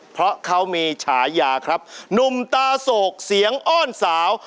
เพราะเขามีฉายาครับหนุ่มตาโศกเสียงอ้อนสาว